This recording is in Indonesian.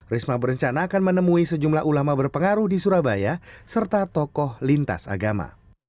risma berencana akan menemui sejumlah ulama berpengaruh di surabaya serta tokoh lintas agama